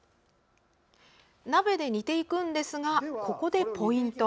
鍋で煮ていくんですがここでポイント！